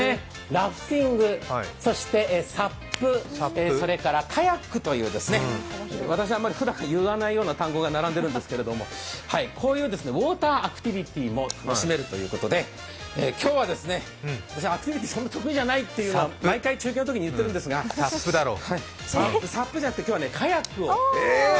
ラフティング、そしてＳＵＰ、それからカヤックというですね、私、あまりふだん言わないような単語が並んでいるんですけれども、こういうウォーターアクティビティーも楽しめるということで、今日は、私、アクティビティーあまり得意でないと毎回、中継のときにお伝えしてるんですがＳＵＰじゃなくて今日はカヤックを。